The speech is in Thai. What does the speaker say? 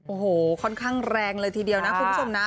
โอ้โหค่อนข้างแรงเลยทีเดียวนะคุณผู้ชมนะ